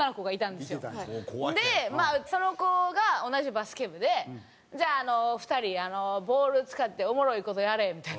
でその子が同じバスケ部で「じゃあ２人ボール使っておもろい事やれ」みたいな。